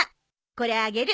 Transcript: これあげる。